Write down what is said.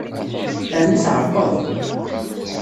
Ɛni tɛerqeḍ?